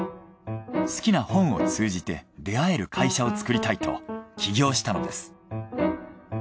好きな本を通じて出会える会社を作りたいと起業したのです。